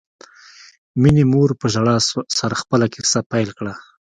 مينې مور په ژړا سره خپله کیسه پیل کړه